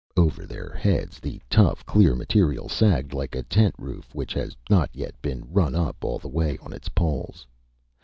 Over their heads, the tough, clear material sagged like a tent roof which has not yet been run up all the way on its poles.